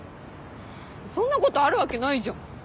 そんなことあるわけないじゃん。